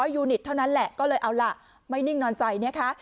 ยูนิตเท่านั้นแหละก็เลยเอาล่ะไม่นิ่งนอนใจนะคะ